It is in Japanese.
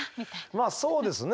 まあそうですね。